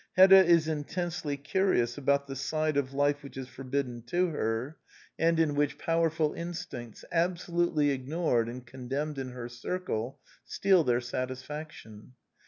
Hedda is intensely curious about the side of life which is forbidden to her, and in The Anti Idealist Plays 127 which powerful instincts, absolutely ignored and condemned in her circle, steal their satisfaction.